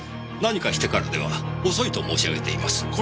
何をしてからでは遅いと申し上げています。